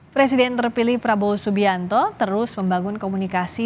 presiden terpilih prabowo subianto terus membangun komunikasi